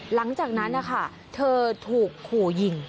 หลังจากนั้นนะคะเธอถูกขู่ยิง